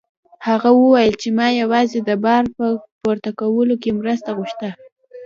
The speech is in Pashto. هغه وویل چې ما یوازې د بار په پورته کولو کې مرسته غوښته.